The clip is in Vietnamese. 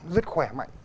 rất khỏe mạnh